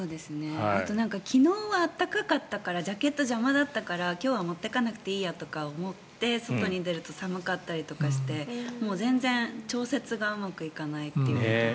あと昨日は暖かかったからジャケットが邪魔だったから今日は持ってかなくていいやと思って外に出ると寒かったりして全然調節がうまくいかないということが。